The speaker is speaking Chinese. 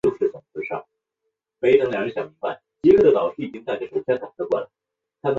柬埔寨古代首都洛韦位于该城。